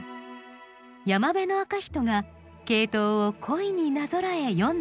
山部赤人がケイトウを恋になぞらえ詠んだ歌だといいます。